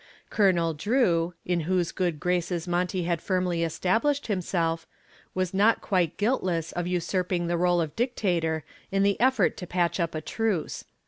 Colonel Drew, in whose good graces Monty had firmly established himself, was not quite guiltless of usurping the role of dictator in the effort to patch up a truce.